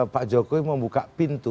pak jokowi membuka pintu